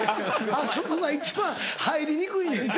あそこが一番入りにくいねんて。